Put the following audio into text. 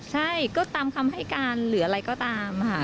ใช่ก็ตามคำให้การหรืออะไรก็ตามค่ะ